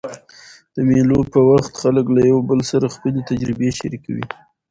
د مېلو پر وخت خلک له یو بل سره خپلي تجربې شریکوي.